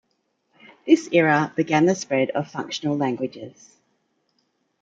This era began the spread of functional languages.